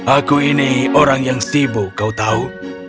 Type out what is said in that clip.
aku ini orang yang sibuk kau tahu